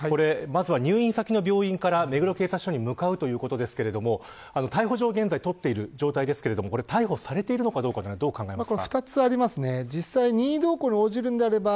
入院先の病院から目黒警察署に向かうということですが逮捕状を現在取っている状況ですが逮捕されているかどう考えられますか。